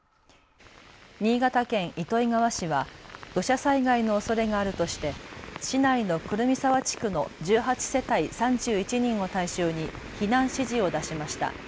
新潟県糸魚川市は土砂災害のおそれがあるとして市内の来海沢地区の１８世帯３１人を対象に避難指示を出しました。